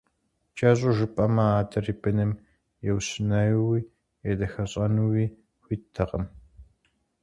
Кӏэщӏу жыпӏэмэ, адэр и быным еущиенууи, едахэщӏэнууи хуиттэкъым.